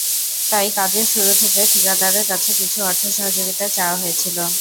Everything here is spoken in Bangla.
তাই কাজের শুরু থেকে ঠিকাদারের কাছে কিছু অর্থ সহযোগিতা চাওয়া হয়েছিল।